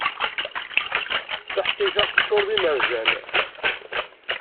Taḥkayt-a teččuṛ d imerjan.